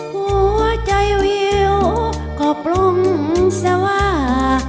หัวใจเวียวก็ปลงเสียว่า